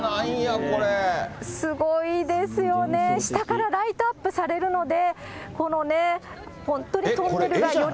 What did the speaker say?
すごいですよね、下からライトアップされるので、このね、これ、絵じゃないの？